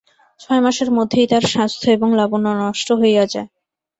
ছয় মাসের মধ্যেই তাঁর স্বাস্থ্য এবং লাবণ্য নষ্ট হইয়া যায়।